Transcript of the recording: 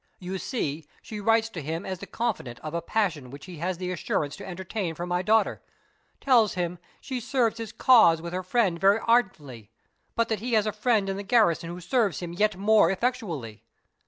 You see she writes to him as the confidant of a passion which he has the assurance to entertain for my daughter; tells him she serves his cause with her friend very ardently, but that he has a friend in the garrison who serves him yet more effectually.